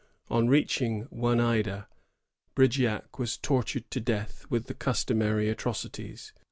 On reaching Oneida, Brigeac was tortured to death with the custoQiary atrocities.